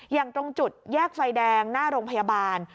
อย่างตรงจุดแยกไฟแดงหน้าโรงพยาบาล